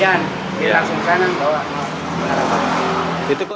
karena keunakan saya kan mudian